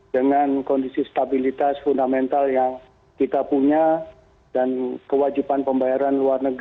dengan kondisi stabilitas fundamental yang kita punya dan kewajiban pembayaran luar negeri